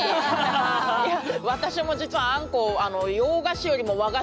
いや私も実はあんこえ？